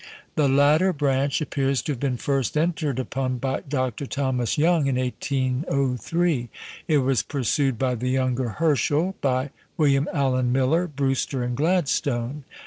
The latter branch appears to have been first entered upon by Dr. Thomas Young in 1803; it was pursued by the younger Herschel, by William Allen Miller, Brewster, and Gladstone.